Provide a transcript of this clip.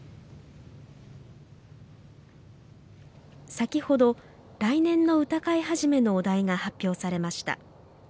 先程、来年の歌会始のお題が発表されました。